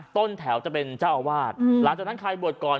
ต้นแถวจะเป็นเจ้าอาวาสหลังจากนั้นใครบวชก่อน